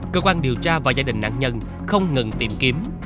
cơ quan điều tra và gia đình nạn nhân không ngừng tìm kiếm